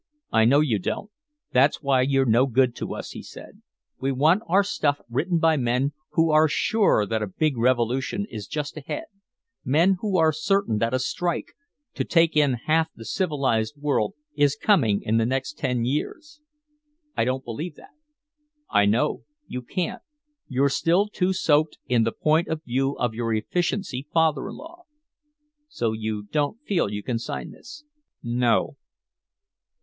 "I know you don't. That's why you're no good to us," he said. "We want our stuff written by men who are sure that a big revolution is just ahead, men who are certain that a strike, to take in half the civilized world, is coming in the next ten years." "I don't believe that." "I know. You can't. You're still too soaked in the point of view of your efficiency father in law." "So you don't feel you can sign this?" "No."